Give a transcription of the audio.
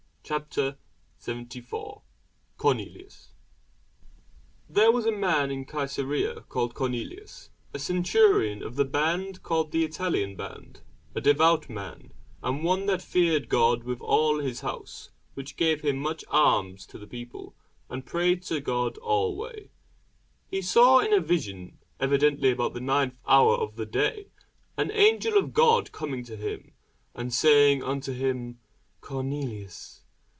CHAPTER 74 CORNELIUS THERE was a certain man in Cæsarea called Cornelius, a centurion of the band called the Italian band, a devout man, and one that feared God with all his house, which gave much alms to the people, and prayed to God alway. He saw in a vision evidently about the ninth hour of the day an angel of God coming in to him, and saying unto him, Cornelius.